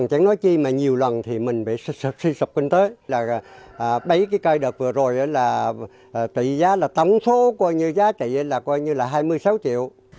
rồi là trị giá là tấm số coi như giá trị là coi như là hai mươi sáu triệu